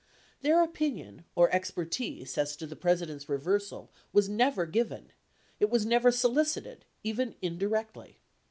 Their opinion or expertise as to the President's reversal was never given ; it was never solicited, even indirectly.